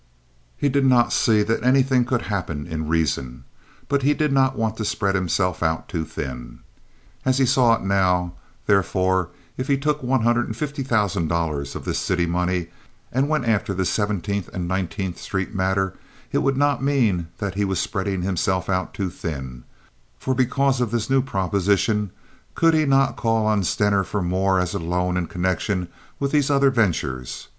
He did not see that anything could happen in reason; but he did not want to spread himself out too thin. As he saw it now, therefore if he took one hundred and fifty thousand dollars of this city money and went after this Seventeenth and Nineteenth Street matter it would not mean that he was spreading himself out too thin, for because of this new proposition could he not call on Stener for more as a loan in connection with these other ventures?